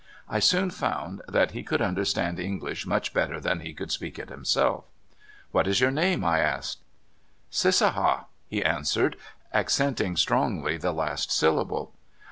I soon found that he could understand Eng lish much better than he could speak it himself. *' What is your name !" I asked. '* Cissaha," he answered, accenting strongly the last syllable.